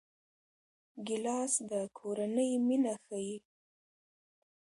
ګیلاس د کورنۍ مینه ښيي.